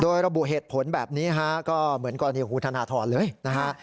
โดยระบุเหตุผลแบบนี้ฮะก็เหมือนกรณีคุณธนทรเลยนะฮะ